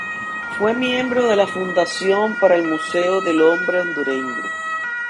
Fue miembro de la Fundación para el Museo del Hombre Hondureño.